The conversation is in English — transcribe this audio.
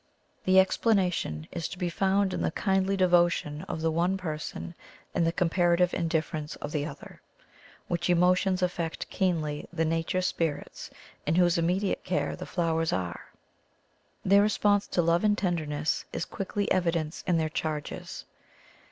The explanation is to be found in the kindly devotion of the one person and the comparative indifference of the other, which emotions affect keenly the nature spir its in whose immediate care the flowers are. 173 THE COMING OF THE FAIRIES Their response to lovej and tenderness is quickly evidenced in their charges.